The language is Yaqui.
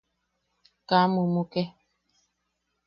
Kaa mumuke.